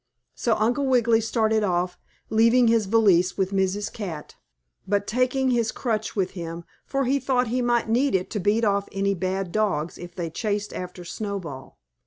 So Uncle Wiggily started off, leaving his valise with Mrs. Cat, but taking his crutch with him, for he thought he might need it to beat off any bad dogs if they chased after Snowball.